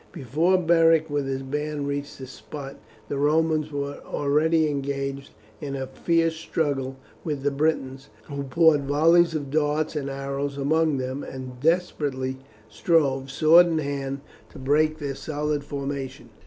Before Beric with his band reached the spot the Romans were already engaged in a fierce struggle with the Britons, who poured volleys of darts and arrows among them, and desperately strove, sword in hand, to break their solid formation.